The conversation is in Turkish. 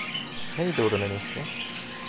Neydi oranın ismi?